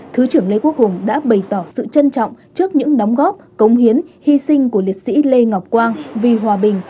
thứ trưởng lê quốc hùng đã bày tỏ sự trân trọng trước những đóng góp công hiến hy sinh của liệt sĩ lê ngọc quang vì hòa bình